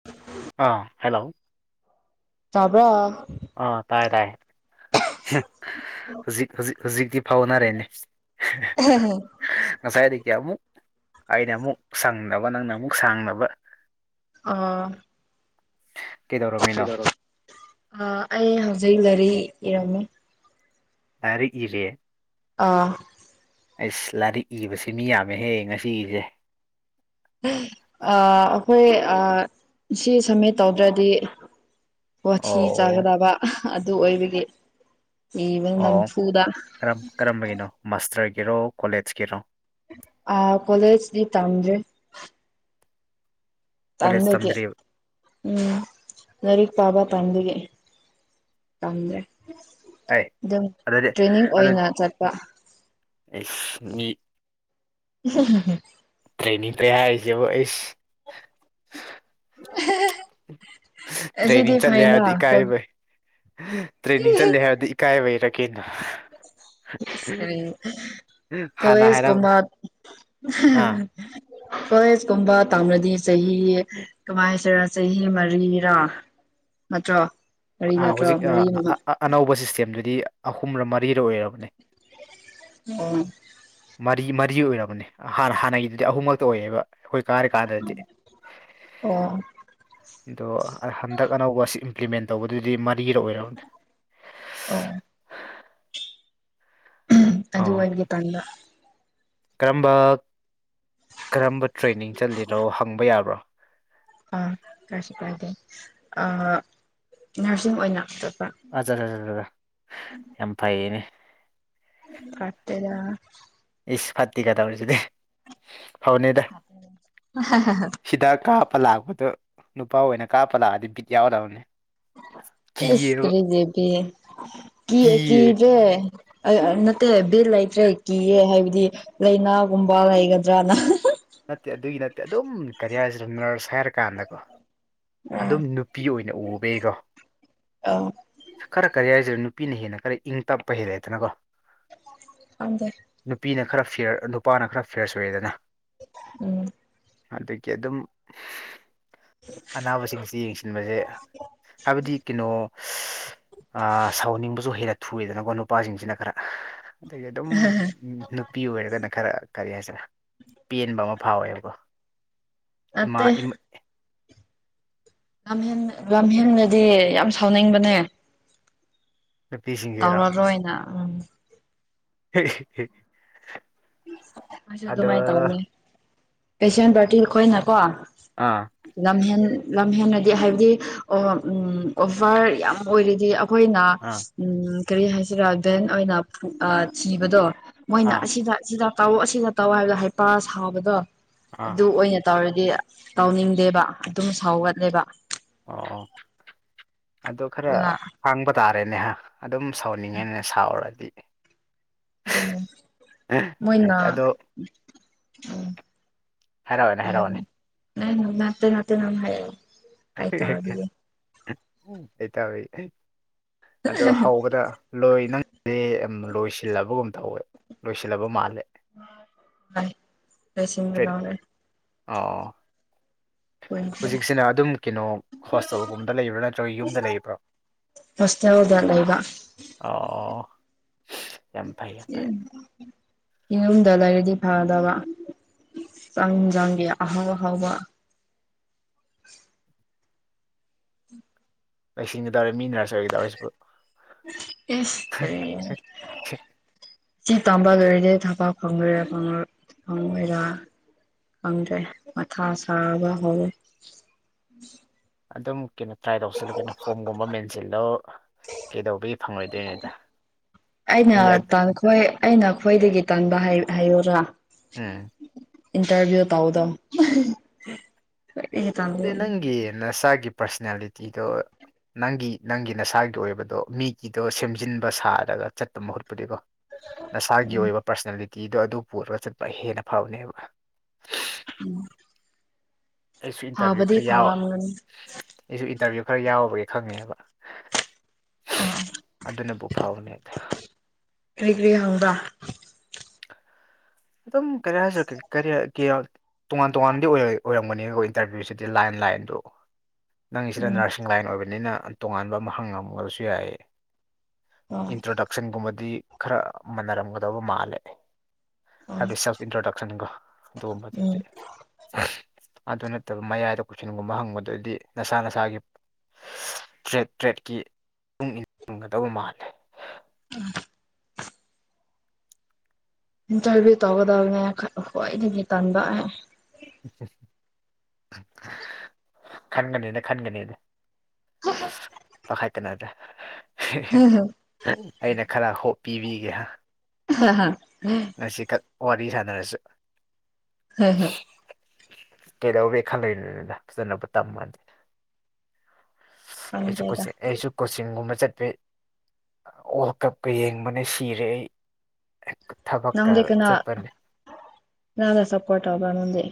[inaudible] ꯑꯥ hello ꯇꯥꯕ꯭ꯔꯥ ꯑꯥ ꯇꯥꯏꯌꯦ ꯇꯥꯏꯌꯦ ꯍꯨꯖꯤꯛ ꯍꯨꯖꯤꯛ ꯍꯨꯖꯤꯛꯇꯤ ꯐꯥꯎꯅꯔꯦꯅꯦ ꯉꯁꯥꯏꯗꯥꯒꯤ ꯑꯃꯨꯛ ꯑꯩꯅꯃꯨꯛ ꯁꯪꯗꯥꯕ ꯅꯪꯅ ꯑꯃꯨꯛ ꯁꯥꯡꯗꯥꯕ ꯑꯥ ꯀꯩꯗꯧꯔꯝ ꯑꯩ ꯍꯧꯖꯤꯛ ꯂꯥꯏꯔꯤꯛ ꯏꯔꯝꯃꯤ ꯂꯥꯔꯤꯛ ꯏꯔꯦ ꯑꯥ ꯑꯩꯁ ꯂꯥꯏꯔꯤꯛ ꯏꯕꯁꯤ ꯃꯤ ꯌꯥꯝꯃꯦꯍꯦ ꯉꯁꯤꯒꯤꯁꯦ ꯑꯥ ꯑꯩꯈꯣꯏ ꯑꯥ ꯁꯤ ꯁꯝꯃꯤꯠ ꯇꯧꯗ꯭ꯔꯗꯤ ꯋꯥꯊꯤ ꯑꯣ ꯆꯥꯒꯗꯥꯕ ꯑꯗꯨ ꯑꯣꯏꯕꯒꯤ ꯏꯚꯟ ꯑꯣ ꯅꯝꯐꯨꯗꯥ ꯀꯔꯝ ꯀꯔꯝꯕꯒꯤꯅꯣ ꯃꯥꯁꯇꯔꯒꯤꯔꯣ ꯀꯣꯂꯦꯖꯀꯤꯔꯣ ꯑꯥ ꯀꯣꯂꯦꯖ ꯇꯤ ꯇꯝꯗꯔꯤ ꯀꯣꯂꯦꯖ ꯇꯟꯕꯒꯤ ꯇꯝꯗ꯭ꯔꯤꯕ ꯎꯝ ꯂꯥꯏꯔꯤꯛ ꯄꯥꯕ ꯇꯟꯕꯒꯤ ꯇꯝꯗ꯭ꯔꯦ ꯑꯩ ꯑꯗꯨꯝ ꯑꯗꯨꯗꯤ ꯇ꯭ꯔꯦꯅꯤꯡ ꯑꯣꯏꯅ ꯆꯠꯄ ꯑꯦꯁ ꯃꯤ [unintelligible] ꯇ꯭ꯔꯦꯟꯅꯤꯡꯇꯔꯦ ꯍꯥꯏꯁꯤꯕꯨ ꯑꯩꯁ [unintelligible] ꯑꯁꯤꯗꯤ ꯇ꯭ꯔꯦꯅꯤꯡ ꯆꯠꯂꯦ ꯐꯥꯏꯅ ꯍꯥꯏꯕꯗꯤ ꯀꯣꯟ ꯏꯀꯥꯏꯕꯩ ꯇ꯭ꯔꯦꯅꯤꯡ ꯆꯠꯂꯦ ꯍꯥꯏꯔꯗꯤ ꯏꯀꯥꯏꯕꯩꯔ ꯀꯩꯅꯣ [unintelligible] ꯍꯥꯟꯅ ꯀꯣꯂꯦꯖ ꯍꯥꯏꯔꯝ ꯀꯨꯝꯕ ꯑꯥ [unintelligible] ꯀꯣꯂꯦꯖ ꯀꯨꯝꯕ ꯇꯥꯝꯔꯥꯗꯤ ꯆꯍꯤ ꯀꯃꯥꯏ ꯍꯥꯏꯁꯤꯔꯥ ꯆꯍꯤ ꯃꯔꯤꯔꯥ ꯅꯠꯇ꯭ꯔꯣ ꯃꯔꯤ ꯑꯥ ꯅꯠꯇ꯭ꯔꯣ ꯍꯧꯖꯤꯛ ꯑ ꯃꯔꯤ ꯑꯃ ꯑ ꯑ ꯑꯅꯧꯕ ꯁꯤꯁꯇꯦꯝꯗꯨꯗꯤ ꯑꯍꯨꯝꯔꯥ ꯃꯔꯤꯔꯥ ꯑꯣꯏꯔꯕꯅꯦ ꯑꯣ ꯃꯔꯤ ꯃꯔꯤ ꯑꯣꯏꯔꯕꯅꯦ ꯍꯥꯟꯅ ꯍꯥꯟꯅꯒꯤꯗꯨꯗꯤ ꯑꯍꯨꯝꯈꯛꯇ ꯑꯣꯏꯌꯦꯕ ꯑꯩꯈꯣꯏ ꯀꯥꯔꯤ ꯀꯥꯟꯗꯗꯤ ꯑꯣ ꯑꯗꯣ ꯍꯟꯗꯛ ꯑꯅꯧꯕ ꯁꯤ ꯏꯝꯄ꯭ꯂꯤꯃꯦꯟ ꯇꯧꯕꯗꯨꯗꯤ ꯃꯔꯤ ꯂꫭꯔꯕꯅꯤ ꯑꯧ ꯑ ꯑꯗꯨ ꯋꯥꯏꯕꯗꯤ ꯇꯟꯕ ꯀꯔꯝꯕ ꯀꯔꯝꯕ ꯇ꯭ꯔꯦꯅꯤꯡ ꯆꯠꯂꯤꯅꯣ ꯍꯪꯕ ꯌꯥꯕ꯭ꯔꯣ ꯑꯥ ꯀꯥꯏꯁꯨ ꯀꯥꯏꯗꯦ ꯑ ꯅꯔꯁꯤꯡ ꯑꯣꯏꯅ ꯆꯠꯄ ꯑꯆꯥꯔꯖꯔ ꯌꯥꯝ ꯐꯩꯌꯦꯅꯦ ꯐꯠꯇꯦꯗ ꯏꯁ ꯐꯠꯇꯤꯒ ꯇꯧꯔꯤꯁꯤꯗꯤ ꯐꯕꯅꯤꯗ [unintelligible] ꯍꯤꯗꯥꯛ ꯀꯥꯞꯄ ꯂꯥꯛꯄꯗꯨ ꯅꯨꯄꯥ ꯑꯣꯏꯅ ꯀꯥꯞꯄ ꯂꯥꯛꯑꯗꯤ ꯕꯤꯠ ꯌꯥꯎꯗꯧꯅꯦ ꯏꯁ ꯀꯔꯤꯗꯦꯕꯤ ꯀꯤꯌꯩ ꯀꯤꯌꯦ ꯀꯤꯗꯦ ꯑꯩ ꯅꯠꯇꯦ ꯕꯤꯠ ꯂꯩꯇ꯭ꯔꯦ ꯀꯤꯌꯦ ꯍꯥꯏꯕꯗꯤ ꯂꯥꯏꯅꯥꯒꯨꯝꯕ ꯂꯩꯒꯗ꯭ꯔꯥꯅ ꯅꯠꯇꯦ ꯑꯗꯨꯒꯤ ꯅꯠꯇꯦ ꯑꯗꯨꯝ ꯀꯦꯔꯤꯌꯥꯔꯁꯤ ꯑꯗꯨꯝꯅꯔꯁ ꯍꯥꯏꯔꯀꯥꯟꯗꯀꯣ ꯎꯝ ꯑꯗꯨꯝ ꯅꯨꯄꯤ ꯑꯣꯏꯅ ꯎꯕꯩꯀꯣ ꯑꯧ ꯈꯔ ꯀꯔꯤ ꯍꯥꯏꯔꯤꯁꯤꯔ ꯅꯨꯄꯤꯅ ꯍꯦꯟꯅ ꯈꯔ ꯏꯪ ꯇꯞꯄ ꯍꯦꯜꯂꯦꯗꯅꯀꯣ ꯈꯪꯗꯦ ꯅꯨꯄꯤꯅ ꯈꯔ ꯐꯤꯔ ꯅꯨꯄꯥꯅ ꯈꯔ ꯐꯤꯌꯔꯁ ꯑꯣꯏꯔꯦꯗꯅ ꯎꯝ ꯑꯗꯨꯒꯤ ꯑꯗꯨꯝ ꯑꯅꯥꯕꯁꯤꯡꯁꯤ ꯌꯦꯡꯁꯤꯟꯕꯁꯦ ꯍꯥꯏꯕꯗꯤ ꯀꯩꯅꯣ ꯁꯥꯎꯟꯅꯤꯡꯕꯁꯨ ꯍꯦꯟ ꯊꯨꯏꯌꯦꯗꯅꯀꯣ ꯅꯨꯄꯥꯁꯤꯡꯁꯤꯅ ꯈꯔ ꯑꯗꯩꯗꯤ ꯑꯗꯨꯝ ꯅꯨꯄꯤ ꯑꯣꯏꯔꯒꯅ ꯈꯔ ꯀꯔꯤ ꯍꯥꯏꯁꯤꯔꯦ ꯄꯦꯟꯕ ꯑꯃ ꯐꯥꯎꯋꯦꯕꯀꯣ ꯏꯃꯥ ꯅꯠꯇꯦ ꯌꯥꯝꯍꯦꯟ ꯌꯥꯝ ꯍꯦꯟꯟꯅꯗꯤ ꯌꯥꯝ ꯁꯥꯎꯅꯤꯡꯕꯅꯦ ꯅꯨꯄꯤꯁꯤꯡꯁꯤꯔꯣ ꯇꯧꯔꯔꯣꯏꯅ ꯎꯝ [unintelligible] ꯑꯩꯁꯨ ꯑꯗꯣ ꯑꯗꯨꯃꯥꯏꯅ ꯇꯧꯅꯤ ꯄꯦꯁꯦꯟ ꯄꯥꯔꯇꯤ ꯑꯩꯈꯣꯏꯅꯀꯣ ꯑꯥ ꯂꯝꯍꯦꯟ ꯂꯝꯍꯦꯟꯅꯗꯤ ꯍꯥꯏꯕꯗꯤ ꯑꯣꯐꯔ ꯌꯥꯝ ꯑꯣꯏꯔꯤꯗꯤ ꯑꯩꯈꯣꯏꯅ ꯑꯥ ꯎ ꯀꯔꯤ ꯍꯥꯏꯁꯤꯔꯥ ꯗꯦꯟ ꯑꯣꯏꯅ ꯊꯤꯕꯗꯣ ꯑꯥ ꯃꯣꯏꯅ ꯑꯥ ꯑꯁꯤꯗ ꯑꯁꯤꯗ ꯇꯥꯎꯑꯣ ꯑꯁꯤꯗ ꯇꯧꯑꯣ ꯍꯥꯏꯕꯗ ꯍꯩꯄꯥ ꯁꯥꯕꯗꯣ ꯑꯣ ꯑꯗꯨ ꯑꯣꯏꯅ ꯇꯧꯔꯗꯤ ꯇꯧꯅꯤꯡꯗꯦꯕ ꯑꯗꯨꯝ ꯁꯥꯎꯒꯠꯂꯦꯕ ꯑꯣ ꯑꯗꯨ ꯈꯔ ꯑꯗꯨꯅ ꯈꯥꯡꯕ ꯇꯥꯔꯦꯅꯦꯍ ꯑꯗꯨꯝ ꯁꯥꯎꯅꯤꯡꯉꯦꯅ ꯁꯥꯎꯔꯗꯤ ꯑꯗꯨ ꯃꯣꯏꯅ ꯐꯩꯇꯦ ꯑꯗꯣ ꯎꯝ ꯍꯥꯏꯔꯛꯑꯣꯅꯦ ꯍꯥꯏꯔꯛꯑꯣꯅꯦ ꯎꯝ ꯅꯠꯇꯦ ꯅꯠꯇꯦ ꯅꫭ ꯍꯥꯏꯌꯦ ꯁꯤꯇꯧꯔꯤ ꯑꯗꯨ ꯍꯧꯕꯗ ꯂꯣꯏ ꯅꯪꯁꯦ ꯂꯣꯏꯁꯤꯜꯂꯕꯒꯨꯝ ꯇꯧꯋꯦ ꯂꯣꯏꯁꯤꯜꯂꯕ ꯃꯥꯜꯂꯦ ꯍꫭꯏ ꯇ꯭ꯔꯦꯟ ꯂꫭꯏꯁꯤꯟꯒꯗꯧꯔꯦ ꯑꯣ ꯀꯨꯏꯗ꯭ꯔꯦ ꯍꯧꯖꯤꯛꯁꯤꯅ ꯑꯗꯨꯝ ꯀꯩꯅꯣ ꯍꯣꯁꯇꯦꯜꯒꯨꯝꯕꯗ ꯂꯩꯕ꯭ꯔꯥ ꯅꯠꯇ꯭ꯔꯒ ꯌꯨꯝꯗ ꯂꯩꯕ꯭ꯔꯣ ꯍꯣꯁꯇꯦꯜꯗ ꯂꯩꯕ ꯑꯣ [unintelligible] ꯌꯥꯝ ꯐꯩ [unintelligible] ꯌꯨꯝꯗ ꯂꯩꯔꯗꯤ ꯐꯒꯗꯕ ꯆꯥꯛ ꯏꯟꯖꯥꯡꯒꯤ ꯑꯍꯥꯎ ꯑꯍꯥꯎꯕ ꯂꯩꯁꯤꯡꯒꯗꯧꯔꯦ ꯃꯤꯅꯔꯁ ꯑꯣꯏꯒꯗꯧꯔꯤꯁꯤꯕꯨ ꯏꯁ ꯀꯔꯤꯔ ꯍ [unintelligible] ꯁꯤ ꯇꯥꯝꯕ ꯂꫭꯏꯔꯗꯤ ꯊꯕꯛ ꯐꯪꯗꯣꯏꯔꯥ ꯐꯪꯉꯣꯏ ꯐꯪꯉꫭꯏꯔꯥ ꯐꯪꯖ꯭ꯔꯦ ꯃꯊꯥ ꯁꯥꯕ ꯍꯧꯋꯦ ꯑꯗꯨꯝ ꯀꯩꯅꯣ ꯇ꯭ꯔꯥꯏ ꯇꯧꯁꯤꯜꯂꯣ ꯀꯩꯅꯣ ꯐꯣꯝꯒꯨꯝꯕ ꯃꯦꯟꯁꯤꯜꯂꯣ ꯀꯩꯗꯧꯕꯒꯤ ꯐꯪꯉꯣꯏꯗꯣꯏꯅꯣꯗ ꯑꯩ ꯃꯤ ꯑꯠ ꯇꯟꯈꯣꯏ ꯑꯩꯅ ꯈ꯭ꯋꯥꯏꯗꯒꯤ ꯇꯟꯕ ꯍꯥꯏ ꯍꯥꯏꯌꯨꯔꯥ ꯎꯝ ꯏꯟꯇꯔꯚ꯭ꯌꯨ ꯇꯧꯗꯣ [unintelligible] ꯑꯗꯨꯗꯤ ꯅꯪꯒꯤ ꯅꯁꯥꯒꯤ ꯄꯥꯔꯁꯅꯦꯂꯤꯇꯤꯗꯣ ꯅꯪꯒꯤ ꯅꯪꯒꯤ ꯅꯁꯥꯒꯤ ꯑꯣꯏꯕꯗꯣ ꯃꯤꯒꯤꯗꯣ ꯁꯦꯝꯖꯤꯟꯕ ꯁꯥꯔꯒ ꯆꯠꯄ ꯃꯍꯨꯠꯄꯨꯗꯤꯀꯣ ꯅꯁꯥꯒꯤ ꯑꯣꯏꯕ ꯄꯥꯔꯁꯅꯦꯂꯤꯇꯤꯗꯣ ꯑꯗꯨ ꯄꯨꯔꯒ ꯆꯠꯄ ꯍꯦꯟꯅ ꯐꯕꯅꯦꯕ [unintelligible] ꯑꯩꯁꯨ ꯏꯟꯇꯔꯚ꯭ꯌꯨ ꯐꯕꯗꯤ ꯈꯔ ꯌꯥꯎꯋ ꯐꯔꯝꯒꯅꯤ ꯑꯩꯁꯨ ꯏꯟꯇꯔꯚ꯭ꯌꯨ ꯈꯔ ꯌꯥꯎꯔꯨꯕꯒꯤ ꯈꯪꯉꯦꯕ ꯑꯣ ꯑꯗꯨꯅꯕꯨ ꯐꯥꯕꯅꯦꯗ ꯀꯔꯤ ꯀꯔꯤ ꯍꯪꯕ꯭ꯔꯥ ꯑꯗꯨꯝ ꯀꯔꯤ ꯌꯥꯏꯁꯤꯔꯥ ꯀ ꯀꯔꯤ [unintelligible] ꯇꯣꯉꯥꯟ ꯇꯣꯉꯥꯟꯗꯤ ꯑꯣꯏꯔ ꯑꯣꯏꯔꯝꯒꯅꯤꯕ ꯑꯣꯏ ꯇꯥꯔꯗꯤ ꯁꯤꯗꯤ ꯂꯥꯏꯟ ꯂꯥꯏꯟꯗꯨ ꯅꯪꯒꯤꯁꯤꯅ ꯎꯝ ꯅꯔꯁꯤꯡ ꯂꯥꯏꯟ ꯑꯣꯏꯕꯅꯤꯅ ꯇꯣꯉꯥꯟꯕ ꯑꯃ ꯍꯪꯉꯝꯕꯁꯨ ꯌꯥꯏ ꯑꯣ ꯏꯟꯇ꯭ꯔꯗꯛꯁꯟꯒꯨꯝꯕꯗꯤ ꯈꯔ ꯃꯅꯔꯝꯒꯗꯕ ꯃꯥꯜꯂꯦ ꯑꯣ ꯍꯥꯏꯕꯗꯤ ꯁꯦꯜꯐ ꯏꯟꯇ꯭ꯔꯗꯛꯁꯟꯒ ꯎꯝ ꯑꯗꯨꯒꯨꯝꯕꯗꯨꯗꯤ ꯑꯗꯨ ꯅꯠꯇꯕ ꯃꯌꯥꯏꯗ ꯀꯣꯏꯁꯟꯒꯨꯝꯕ ꯍꯪꯕꯗꯗꯤ ꯅꯁꯥ ꯅꯁꯥꯒꯤ ꯇ꯭ꯔꯦꯠ ꯇ꯭ꯔꯦꯠꯀꯤ ꯃꯇꯨꯡ ꯏꯟꯒꯗꯕ ꯃꯥꯜꯂꯦ [unintelligible] ꯏꯟꯇꯔꯚ꯭ꯌꯨ ꯇꯧꯒꯗꯕꯅꯦ [unintelligible] ꯈ꯭ꯋꯥꯏꯗꯒꯤ ꯇꯟꯕ ꯈꯟꯒꯅꯤꯗ ꯈꯟꯒꯅꯤꯗ ꯄꯥꯈꯠꯀꯅꯗ ꯑꯩꯅ ꯈꯔ ꯍꯣꯞ ꯄꯤꯕꯤꯒꯦ ꯑꯍꯥ ꯍꯥ [unintelligible] ꯉꯁꯤ ꯈꯛ ꯋꯥꯔꯤ ꯁꯥꯟꯅꯔꯁꯨ ꯍꯦ ꯍꯦ ꯀꯩꯗꯧꯕꯩ ꯈꯜꯂꯣꯏꯗꯣꯏꯅꯣꯗ ꯐꯖꯅꯕꯨ ꯇꯃꯗꯤ ꯑꯩꯁꯨ ꯈꯪꯗꯦꯗ ꯀꯣꯆꯤꯡ ꯑꯩꯁꯨ ꯀꯣꯆꯤꯡꯒꯨꯝꯕ ꯆꯠꯄꯩ ꯑꯣ ꯀꯞꯀ ꯌꯦꯡꯕꯅꯦ ꯁꯤꯔꯦ ꯑꯩ ꯊꯕꯛꯀ ꯅꯪꯗꯤ ꯀꯅꯥ ꯆꯠꯄꯅꯦ ꯀꯅꯥꯗ ꯁꯄꯣꯔꯠ ꯇꯧꯕ ꯅꯪꯗꯤ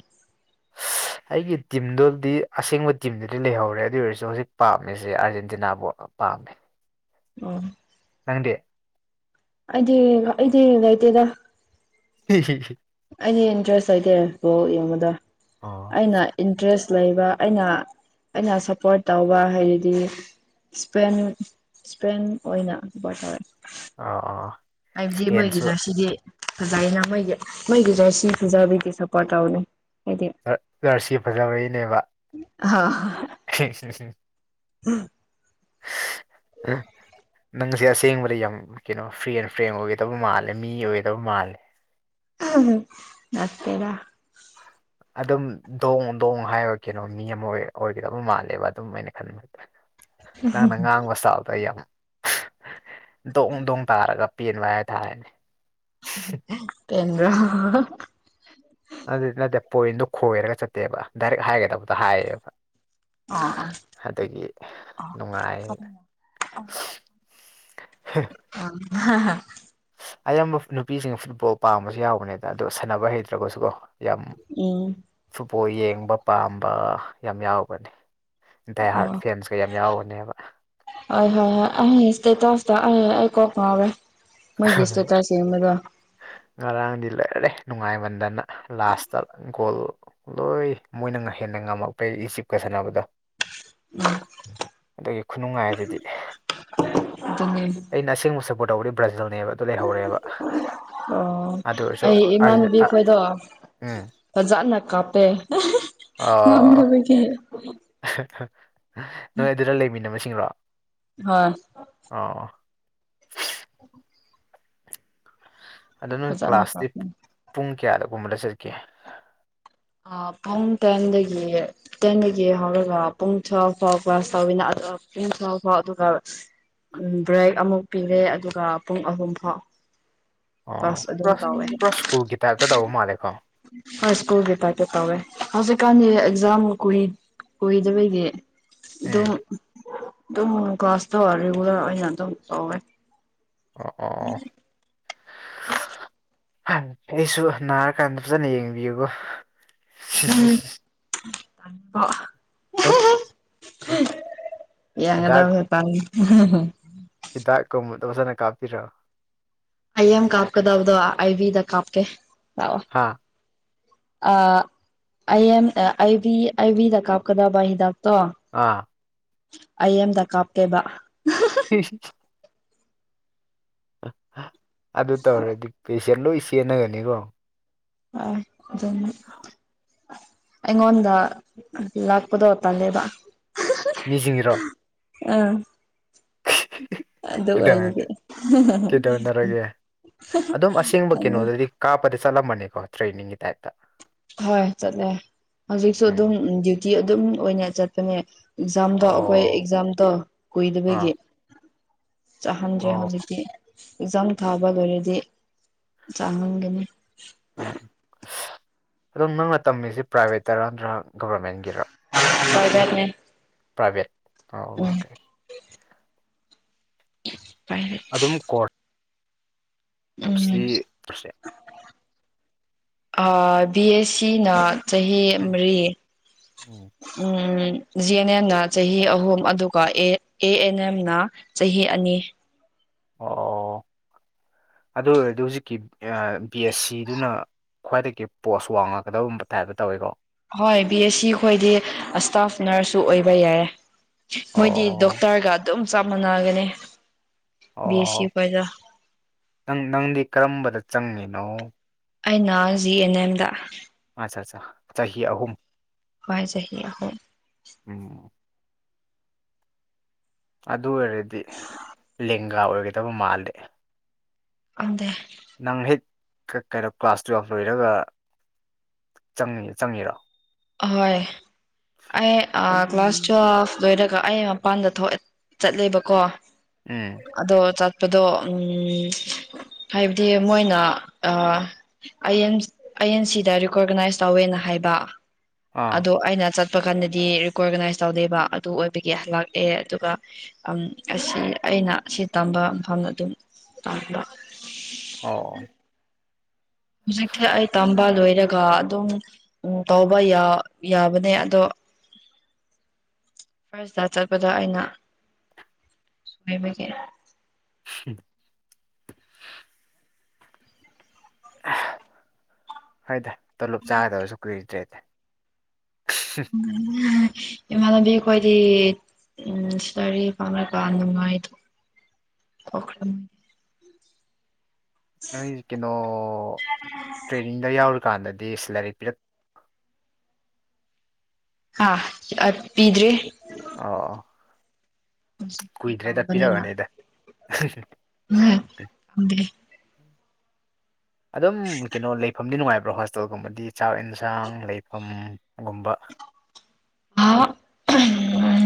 ꯑꯩꯒꯤ ꯇꯤꯝꯗꯨꯗꯤ ꯑꯁꯦꯡꯕ ꯇꯤꯝꯗꯨꯗꯤ ꯂꯩꯍꯧꯔꯦ ꯑꯗꯨ ꯑꯣꯏꯔꯁꯨ ꯍꯧꯖꯤꯛ ꯄꯥꯝꯃꯤꯁꯦ ꯑꯥꯔꯖꯦꯟꯇꯤꯅꯥꯕꯨ ꯄꯥꯝꯃꯦ ꯎꯝ ꯅꯪꯗꯤ ꯑꯩꯗꯤ ꯑꯩꯗꯤ ꯂꯩꯇꯦꯗ ꯍꯤ [unintelligible] ꯑꯩꯗꯤ ꯏꯟꯇꯔꯦꯁ ꯂꯩꯇꯦ ꯕꯣꯜ ꯌꯦꯡꯕꯗ ꯑ ꯑꯩꯅ ꯏꯟꯇꯔꯦꯁ ꯂꯩꯕ ꯑꯩꯅ ꯑꯩꯅ ꯁꯞꯄꯣꯔꯠ ꯇꯧꯕ ꯍꯥꯏꯔꯗꯤ ꯏꯁꯄꯦꯟ ꯏꯁꯄꯦꯟ ꯑꯣꯏꯅ [unintelligible] ꯇꯧꯋꯦ ꯑ ꯑ ꯑꯩꯗꯤ ꯃꯣꯏꯒꯤꯅ ꯁꯤꯗꯤ ꯐꯖꯥꯏꯅ ꯃꯣꯏꯒꯤ ꯃꯣꯏꯒꯤꯁꯨ ꯁꯤ ꯐꯨꯖꯕꯤꯗꯤ ꯁꯞꯄꯣꯔꯠ ꯇꯧꯅꯤ ꯍꯥꯏꯗꯤ ꯖꯔꯁꯤ ꯐꯖꯕꯒꯤꯅꯦꯕ [unintelligible] [unintelligible] [unintelligible] [unintelligible] ꯅꯪꯁꯦ ꯑꯁꯦꯡꯕꯗ ꯌꯥꯝ ꯀꯩꯅꯣ ꯐ꯭ꯔꯤ ꯑꯦꯟ ꯐ꯭ꯔꯦꯡ ꯑꯣꯏꯒꯗꯕ ꯃꯥꯜꯂꯦ ꯃꯤ ꯑꯣꯏꯒꯗꯕ ꯃꯥꯜꯂꯦ ꯎ ꯅꯠꯇꯦꯗ ꯑꯗꯨꯝ ꯗꯣꯡ ꯗꯣꯡ ꯍꯥꯏꯔ ꯀꯩꯅꯣ ꯃꯤ ꯑꯃ ꯑꯣꯏ ꯑꯣꯏꯒꯗꯕ ꯃꯥꯜꯂꯦꯕ ꯑꯗꯨꯝ ꯑꯩꯅ ꯈꯟꯕ ꯅꯪꯅ ꯉꯥꯡꯒꯁꯥꯎ ꯑꯩ ꯌꯥꯝ ꯗꯣꯡ ꯗꯣꯡ ꯇꯥꯔꯒ ꯄꯦꯟꯕ ꯍꯥꯏ ꯊꯥꯔ‌‌ꯦꯅ‌ꯦ ꯇꯣ [unintelligible] ꯑꯗꯨ ꯅꯠꯇꯦ ꯄꯣꯏꯟꯗ‌ꯣ ꯈꯣꯏꯔꯒ ꯆꯠꯇꯦꯕ ꯗꯥꯏꯔꯦꯛ ꯍꯥꯏꯒꯗꯕꯗ ꯍꯥꯏꯌꯦꯕ ꯑꯣ ꯑꯣ ꯑꯗꯒꯤ ꯅꯨꯡꯉꯥꯏ ꯑ ꯍꯥ ꯍꯥ [unintelligible] ꯑꯌꯥꯝꯕ ꯅꯨꯄꯤꯁꯤꯡ ꯐꯨꯠꯕꯣꯜ ꯄꯥꯝꯕꯁꯨ ꯌꯥꯎꯕꯅꯦꯗ ꯑꯗꯣ ꯁꯥꯟꯅꯕ ꯍꯩꯇ꯭ꯔꯒꯁꯨꯀꯣ ꯌꯥꯝ ꯎꯝ ꯐꯨꯠꯕꯣꯜ ꯌꯦꯡꯕ ꯄꯥꯝꯕ ꯌꯥꯝ ꯌꯥꯎꯕꯅꯤ ꯗꯥꯏ ꯍꯥꯔꯠ ꯑꯣ ꯐꯦꯟꯁꯀ ꯌꯥꯝ ꯌꯥꯎꯕꯅꯦꯕ ꯍꯣꯏ ꯍꯣꯏ ꯍꯣꯏ ꯑꯩꯍꯁ ꯑꯩꯀꯣꯀ ꯍꯋꯦ [unintelligible] ꯃꯣꯏꯒꯤ ꯍꯣꯏ ꯏꯇ‌ꯦꯁꯇ ꯌ‌ꯦꯡꯕꯗ‌ꯣ ꯉꯔꯥꯡꯗꯤ ꯂ‍ꯣꯏꯔ‍ꯦ ꯅꯨꯡꯉꯥꯏꯃꯟꯗꯅ ꯂꯥꯁꯇ ꯒꯣꯜ ꯂꯣꯏ ꯃꯣꯏꯅ ꯍꯦꯟꯅ ꯉꯝꯃꯛꯄꯩ ꯏꯆꯤꯞꯀ ꯁꯥꯟꯅꯕꯗꯣ ꯎꯝ [unintelligible] ꯑꯗꯒꯤ ꯈꯨꯅꯨꯡꯉꯥꯏ ꯑꯗꯨꯗꯤ [inaudible] ꯑꯩꯅ ꯑꯁꯦꯡꯕ ꯁꯞꯄ‌ꯣꯔꯠ ꯇꯧꯕꯗꯤ ꯕ꯭ꯔꯥꯖꯤꯜꯅꯦꯕ ꯑꯗꯨ ꯂꯩꯍꯧꯔꯦꯕ ꯑꯣ ꯑꯗꯨ ꯑꯣꯏꯔꯁꯨ ꯑꯩ ꯑ ꯎꯝ ꯐꯖꯥꯅ ꯀꯥꯞꯄꯦ ꯑ ꯉꯝꯗꯕꯒꯤ ꯅꯣꯏ ꯑꯗꯨꯗ ꯂꯩꯃꯤꯟꯅꯁꯤꯡꯔꯣ ꯍꯣꯏ ꯑꯣ ꯑꯗꯣ ꯅꯣꯏ ꯐꯖꯅ ꯀ꯭ꯂꯥꯁꯇꯤ ꯀꯥꯞꯄꯦ ꯄꯨꯡ ꯀꯌꯥꯗꯒꯨꯝꯕꯗ ꯆꯠꯀꯦ ꯑ ꯐꯥꯎ ꯇ‌ꯦꯟꯗꯒꯤ ꯇꯦꯟꯗꯒꯤ ꯍꯧꯔꯒ ꯄꯨꯡ ꯊꯔ ꯐꯥꯎ ꯀ꯭ꯂꯥꯁ [unintelligible] ꯇꯧꯋꯅ ꯄꯨꯡ ꯊ ꯐꯥꯎ ꯑꯗꯨꯒ ꯕ꯭ꯔꯦꯛ ꯑꯃꯨꯛ ꯄꯤꯔꯦ ꯑꯗꯨꯒ ꯄꯨꯡ ꯑꯍꯨꯝ ꯐꯥꯎ ꯑꯣ ꯀ꯭ꯂꯥꯁ ꯑꯗꯨꯝ ꯄꯨꯔꯥ ꯇꯧꯋꯦ ꯄꯨꯔꯥ ꯁ꯭ꯀꯨꯜꯒꯤ ꯇꯥꯏꯞꯇ ꯇꯧꯕ ꯃꯥꯜꯂꯦꯀꯣ ꯄꯨꯔꯥ ꯁ꯭ꯀꯨꯜꯒꯤ ꯇꯥꯞ ꯀꯧꯋꯦ ꯍꯧꯖꯤꯛꯀꯥꯟꯗꯤ ꯑꯦꯛꯖꯥꯝ ꯀꯨꯏꯗꯕꯗꯤ ꯑꯗꯨꯝ ꯎꯝ ꯑꯗꯨꯝ ꯀꯥꯁꯇ ꯔꯦꯒꯨꯂꯔ ꯑ‌ꯣꯏꯅ ꯑꯗꯨꯝ ꯇꯧꯋꯦ ꯑꯥ ꯑꯥ ꯑꯥ ꯍ [inaudible] ꯑꯩꯁꯨ ꯅꯥꯔꯀꯥꯟꯗ ꯐꯖꯅ ꯌꯦꯡꯕꯤꯌꯨꯕꯣ ꯎꯝ ꯇ [inaudible] ꯌꯦꯡꯉꯗꯕꯁꯨ ꯇꯜꯂꯤ ꯍꯤꯗꯥꯛꯀꯨꯝꯕꯗ ꯐꯖꯅ ꯀꯥꯞꯄꯤꯔꯣ ꯑꯩ ꯑꯦꯝ ꯀꯥꯞꯀꯗꯕꯗꯣ ꯑꯥꯏ ꯚꯕꯤꯗ ꯀꯥꯞꯀꯦ ꯂꯥꯛꯑꯣ ꯍꯥꯥ ꯑ ꯑꯩ ꯑꯦꯝ ꯑꯩꯚꯕꯤ ꯑꯩ ꯚꯤꯗ ꯀꯥꯞꯀꯗꯕ ꯍꯤꯗꯥꯛꯇꯣ ꯑꯥ ꯑꯩ ꯑꯦꯝꯗ ꯀꯥꯞꯀꯦꯕ [unintelligible] [unintelligible] ꯑꯗꯨ ꯇꯧꯔꯗꯤ ꯄꯦꯁꯦꯟ ꯂꯣꯏ ꯆꯦꯟꯅꯒꯅꯤꯀꯣ ꯑ ꯑꯗꯨꯝ ꯑꯩꯉꯣꯟꯗ ꯂꯥꯛꯄꯗꯣ ꯇꯜꯂꯦꯕ [unintelligible] ꯃꯤꯖꯤꯒꯤꯔꯣ ꯑꯥ [unintelligible] [unintelligible] ꯑꯗꯨ ꯀꯩꯗꯧꯔ‌ꯦ ꯑꯣꯏꯕꯒꯤ ꯀꯩꯗꯧꯅꯔꯒꯦ ꯑꯗꯨꯝ ꯑꯁꯦꯡꯕ ꯈꯪꯉꯦ ꯀꯩꯅꯣꯗꯗꯤ ꯀꯥꯞꯄꯗꯤ ꯆꯠꯂꯝꯕꯅꯤꯀꯣ ꯇ꯭ꯔꯦꯅꯤꯡꯒꯤ ꯇꯥꯏꯞꯇ ꯍꯣꯏ ꯆꯠꯂꯦ ꯍꯧꯖꯤꯛꯁꯨ ꯎꯝ ꯑꯗꯨꯝ ꯗ꯭ꯌꯨꯇꯤ ꯑꯗꯨꯝ ꯑꯣꯏꯅ ꯆꯠꯄꯅꯦ ꯑꯦꯛꯖꯥꯝꯗꯣ ꯑꯩꯈꯣꯏ ꯑꯣ ꯑꯦꯛꯖꯥꯝꯗꯣ ꯑꯥ ꯀꯨꯏꯗꯕꯒꯤ ꯆꯥꯍꯟꯗ꯭ꯔꯦ ꯑꯣ ꯍꯧꯖꯤꯛꯇꯤ ꯑꯦꯛꯖꯥꯝ ꯊꯥꯕ ꯂꯣꯏꯔꯗꯤ ꯆꯥꯍꯟꯒꯅꯤ ꯎꯝ ꯑꯗꯣ ꯅꯪꯅ ꯇꯝꯃꯤꯁꯤ ꯄ꯭ꯔꯥꯏꯚꯦꯠꯇꯔ ꯅꯠꯇ꯭ꯔꯒ ꯒꯕꯔꯃꯦꯟꯒꯤꯔ ꯄ꯭ꯔꯥꯏꯚꯦꯠꯅꯦ ꯄ꯭ꯔꯥꯏꯚꯦꯠ ꯑ ꯎꯝ ꯑꯣꯀꯦ ꯄꯥꯏꯚꯦꯠ ꯑꯗꯨꯝ ꯀꯣ [unintelligible] ꯑ ꯕꯤ ꯑꯦꯁ ꯁꯤ ꯅ ꯆꯍꯤ ꯎꯝ ꯃꯔꯤ ꯎꯝ ꯎꯝ ꯖꯤ ꯑꯦꯟ ꯑꯦꯦꯝꯅ ꯆꯍꯤ ꯑꯍꯨꯝ ꯑꯗꯨꯒ ꯑꯦ ꯑꯦ ꯑꯦꯟ ꯑꯦꯝꯅ ꯆꯍꯤ ꯑꯅꯤ ꯑꯣ ꯑꯗꯨ ꯑꯣꯏꯔꯗꯤ ꯍꯧꯖꯤꯛꯀꯤ ꯕꯤ ꯑꯦꯁ ꯁꯤꯗꯨꯅ ꯈ꯭ꯋꯥꯏꯗꯒꯤ ꯄꯣꯁ ꯋꯥꯡꯉꯛꯀꯗꯕꯨꯝꯕ ꯇꯥꯏꯞꯇ ꯇꯧꯏꯤꯀꯣ ꯍꯣꯏ ꯕꯤ ꯑꯦꯁ ꯁꯤ ꯑꯩꯈꯣꯏꯗꯤ ꯏꯁꯇꯥꯐ ꯅꯔꯁꯁꯨ ꯑꯣꯏꯕ ꯌꯥꯏ ꯃꯣꯏꯗꯤ ꯑꯣ ꯗꯣꯛꯇꯔꯒ ꯑꯗꯨꯝ ꯆꯞ ꯃꯥꯟꯅꯒꯅꯤ ꯕꯤ ꯑꯦꯁ ꯑꯣ ꯁꯤꯏꯗ ꯅꯪ ꯅꯪꯗꯤ ꯀꯔꯝꯕꯗ ꯆꯪꯉꯤꯅꯣ ꯑꯩꯅ ꯖꯤ ꯑꯦꯟ ꯑꯦꯝꯗ ꯑꯁꯥ ꯁꯥ ꯆꯍꯤ ꯑꯍꯨꯝ ꯍꯣꯏ ꯆꯍꯤ ꯑꯍꯨꯝ ꯎꯝ ꯑꯗꯨ ꯑꯣꯏꯔꯗꯤ ꯂꯦꯡꯒꯥ ꯑꯣꯏꯒꯗꯕ ꯃꯥꯜꯂꯦ ꯈꯪꯗꯦ ꯅꯪ ꯍꯦꯛ ꯀ ꯀꯩꯅꯣ ꯀ꯭ꯂꯥꯁ ꯇꯨꯌꯦꯦꯜꯐ ꯂꯣꯏꯔꯒ ꯆꯪꯉ ꯆꯪꯉꯤꯔꯣ ꯑꯍꯣꯏ ꯑꯩ ꯑ ꯑꯗꯨꯅꯤ ꯀ꯭ꯂꯥꯁ ꯇꯨꯌꯦꯜꯚ ꯂꯣꯏꯔꯒ ꯑꯩ ꯃꯄꯥꯟꯗ ꯊꯣꯛ ꯆꯠꯂꯦꯕꯀꯣ ꯎꯝ ꯑꯗꯣ ꯆꯠꯄꯗꯣ ꯎꯝ ꯍꯥꯏꯕꯗꯤ ꯃꯣꯏꯅ ꯑ ꯑꯩ ꯑꯩ ꯑꯦꯟ ꯁꯤꯗ ꯔꯤꯀꯣꯔꯒꯅꯥꯏꯁ ꯇꯧꯋꯦꯅ ꯍꯥꯏꯕ ꯑꯥ ꯑꯗꯣ ꯑꯩꯅ ꯆꯠꯄ ꯀꯥꯟꯗꯗꯤ ꯔꯤꯀꯣꯔꯒꯅꯥꯏꯁ ꯇꯧꯗꯦꯕ ꯑꯗꯨ ꯑꯣꯏꯕꯒꯤ ꯍꯜꯂꯛꯑꯦ ꯑꯗꯨꯒ ꯑꯁꯤ ꯑꯩꯅ ꯁꯤ ꯇꯝꯕ ꯃꯐꯝꯗ ꯑꯗꯨꯝ ꯇꯝꯕ ꯑꯣ ꯑꯣ ꯍꯧꯖꯤꯛꯁꯤ ꯑꯩ ꯇꯝꯕ ꯂꯣꯏꯔꯒ ꯑꯗꯨꯝ ꯎꯝ ꯇꯧꯕ ꯌꯥ ꯌꯥꯕꯅꯦ ꯑꯗꯣ [unintelligible] ꯐꯥꯔꯁꯗ ꯆꯠꯄꯗ ꯑꯩꯅ ꯁꯕꯒꯤ ꯎ ꯍꯥꯏꯣꯏꯗ ꯇꯣꯂꯞ ꯆꯥꯒꯗꯕꯁꯨ ꯀꯨꯏꯗ꯭ꯔꯦꯗꯤ ꯏꯃꯥꯟꯕꯤ ꯀꯗꯤ ꯎꯝ ꯁꯔꯤ ꯐꯉ ꯀꯥꯟ ꯑꯗꯨꯉꯈ꯭ꯔ ꯅꯣꯏꯁ ꯀꯩꯅꯣ ꯇ꯭ꯔꯦꯅꯤꯡꯗ ꯌꯥꯎꯔꯤꯀꯥꯟꯗꯗꯤ ꯁꯦꯂꯔꯤꯛ ꯄꯤꯔꯛ ꯍꯥꯥ ꯄꯤꯗ꯭ꯔꯤ ꯑꯣꯑꯣ ꯄꯤꯔꯛꯑꯅꯤꯗ [unintelligible] ꯑꯗꯨꯝ ꯀꯩꯅꯣ ꯂꯩꯐꯝꯗꯤ ꯅꯨꯡꯉꯥꯏꯕ꯭ꯔꯥ ꯍꯣꯁꯇꯦꯜꯒꯨꯝꯕꯗꯤ ꯆꯥꯛ ꯑꯦꯟꯁꯥꯡ ꯂꯩꯐꯝꯒꯨꯝꯕ ꯍ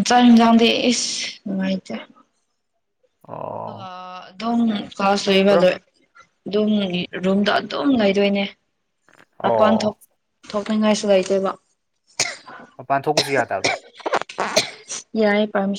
ꯆꯥꯛ ꯏꯟꯖꯥꯡꯗꯤ ꯏꯁ ꯅꯨꯡꯉꯥꯏꯇꯦ ꯑꯣ ꯑꯗꯨꯝ ꯀ꯭ꯂꯥꯁ ꯂꯣꯏꯕ ꯄꯨꯔꯥ ꯂꯣꯏ ꯑꯗꯨꯝ ꯔꯨꯝꯗ ꯑꯗꯨꯝ ꯉꯗꯣꯏꯅꯦ ꯃꯄꯥꯟ ꯊꯣꯛ ꯑꯣ ꯊꯣꯛꯇꯅꯤꯡꯉꯥꯏꯁꯨ ꯂꯩꯥꯏꯇꯣꯏꯕ ꯃꯄꯥꯟ ꯊꯣꯛꯄꯁꯨ ꯌꯥꯗꯕ꯭ꯔꯣ ꯌꯥꯔ ꯄꯔꯃꯤ